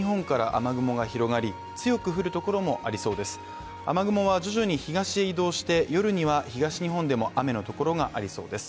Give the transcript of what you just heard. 雨雲は徐々に東へ移動して夜には東日本でも雨のところがありそうです。